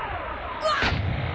うわっ！